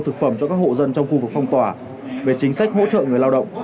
thực phẩm cho các hộ dân trong khu vực phong tỏa về chính sách hỗ trợ người lao động